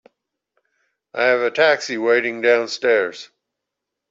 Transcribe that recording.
I have a taxi waiting downstairs.